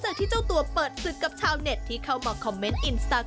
ที่ได้โพสต์รูปตัวเองคู่กับนางเอกสาวตัวแม่พลอยเทอร์มาน